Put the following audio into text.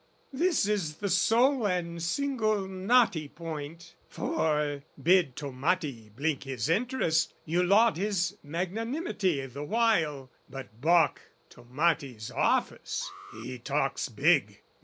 This is the sole and single knotty point: For, bid Tommati blink his interest, You laud his magnanimity the while: But baulk Tommati's office, he talks big!